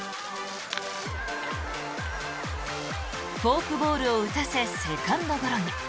フォークボールを打たせセカンドゴロに。